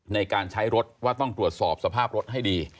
ในการใช้รถว่าต้องตรวจสอบสภาพรถให้ดี